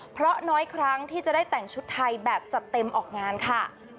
เพราะน้อยครั้งที่จะได้แต่งชุดไทยแบบจัดเต็มออกงานค่ะ